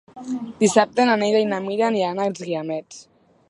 Dissabte na Neida i na Mira aniran als Guiamets.